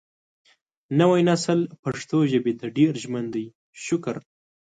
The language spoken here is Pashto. نوی نسل پښتو ژبې ته ډېر ژمن دی شکر